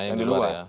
yang di luar